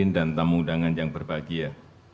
dengan yang berbahagia